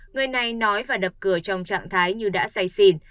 người này nói và đập cửa trong trạng thái như đã say xỉn